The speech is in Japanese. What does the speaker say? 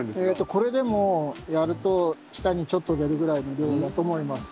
これでもやると下にちょっと出るぐらいの量だと思います。